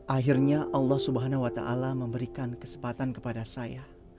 akhirnya allah swt memberikan kesempatan kepada saya